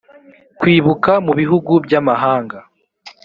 kwibuka mu bihugu by amahanga